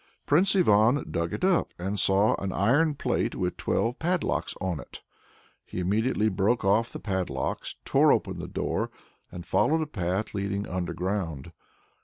Prince Ivan dug it up and saw an iron plate with twelve padlocks on it. He immediately broke off the padlocks, tore open a door, and followed a path leading underground.